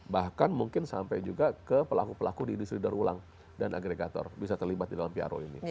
bahkan mungkin sampai juga ke pelaku pelaku di industri daur ulang dan agregator bisa terlibat di dalam piaro ini